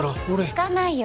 行かないよ